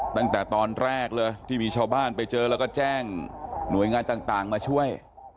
ตั้งแต่ตอนแรกเลยที่มีชาวบ้านไปเจอแล้วก็แจ้งหน่วยงานต่างมาช่วย